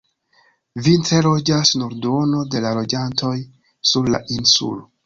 Vintre loĝas nur duono de la loĝantoj sur la insulo.